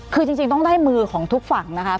คือจริงต้องได้มือของทุกฝั่งนะคะ